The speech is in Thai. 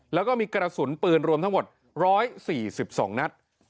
แล้วก็มีกระสุนปืนรวมทั้งหมด๑๔๒นัด